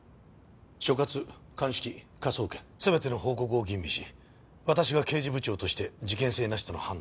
所轄鑑識科捜研全ての報告を吟味し私が刑事部長として事件性なしとの判断を下しました。